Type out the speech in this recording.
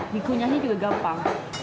dikunyahnya juga gampang